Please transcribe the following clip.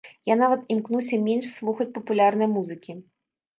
Я нават імкнуся менш слухаць папулярнай музыкі.